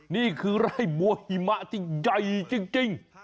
นี่คือไร่มัวหิมะที่ใหญ่จริง